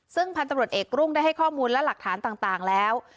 ซึ่งพันธุ์ตำรวจเอกรุ่งได้ให้ข้อมูลและหลักฐานต่างแล้ว